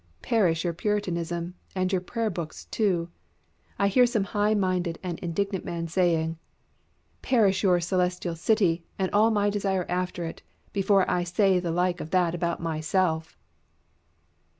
Perish your Puritanism, and your prayer books too! I hear some high minded and indignant man saying. Perish your Celestial City and all my desire after it, before I say the like of that about myself!